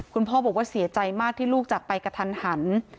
คุณพ่อบอกว่าเสียใจมากที่ลูกจากไปกระทันหัน